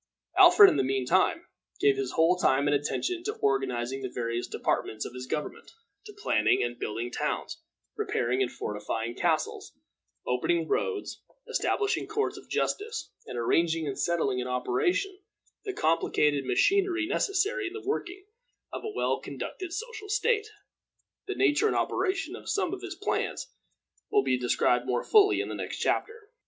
Alfred, in the mean time, gave his whole time and attention to organizing the various departments of his government, to planning and building towns, repairing and fortifying castles, opening roads, establishing courts of justice, and arranging and setting in operation the complicated machinery necessary in the working of a well conducted social state. The nature and operation of some of his plans will be described more fully in the next chapter.